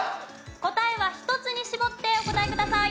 答えは１つに絞ってお答えください。